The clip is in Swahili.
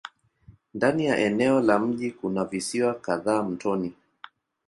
Ndani ya eneo la mji kuna visiwa kadhaa mtoni.